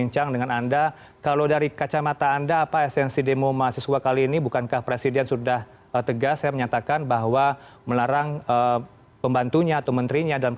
selamat siang mas heranok